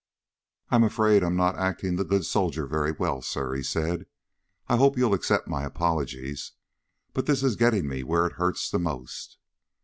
"I'm afraid I'm not acting the good soldier very well, sir," he said. "I hope you'll accept my apologies. But this is getting me where it hurts the most."